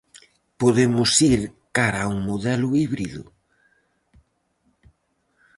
Podemos ir cara a un modelo híbrido?